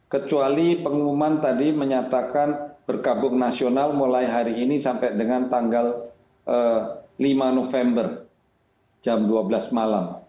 kecuali pengumuman tadi menyatakan berkabung nasional mulai hari ini sampai dengan tanggal lima november jam dua belas malam